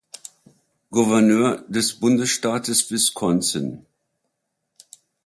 Gouverneur des Bundesstaates Wisconsin.